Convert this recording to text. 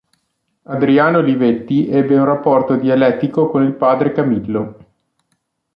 Adriano Olivetti ebbe un rapporto dialettico con il padre Camillo.